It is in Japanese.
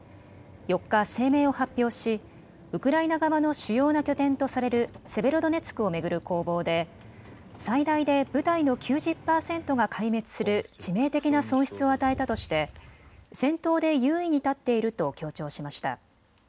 ４日、声明を発表しウクライナ側の主要な拠点とされるセベロドネツクを巡る攻防で最大で部隊の９０％が壊滅する致命的な損失を与えたとして戦闘で優位に立っていると強調しました。